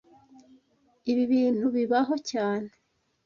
Ibi bintu bibaho cyane